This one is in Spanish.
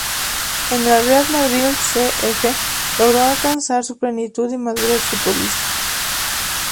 En el Real Madrid C. F. logró alcanzar su plenitud y madurez futbolística.